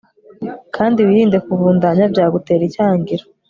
kandi wirinde kuvundanya, byagutera icyangiro